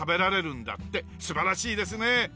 素晴らしいですね。